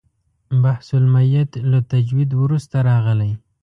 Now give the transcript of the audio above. بحث المیت له تجوید وروسته راغلی.